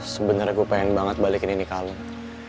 sebenernya gua pengen banget balikin ini ke kalung